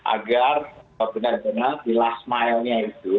agar benar benar di last mile nya itu